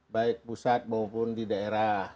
baik pusat maupun di daerah